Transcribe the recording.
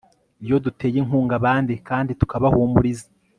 iyo duteye inkunga abandi kandi tukabahumuriza